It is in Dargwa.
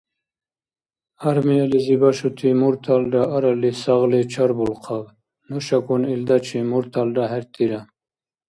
Армиялизи башути мурталра арали-сагъли чарбулхъаб: нушакӀун илдачи мурталра хӀертира.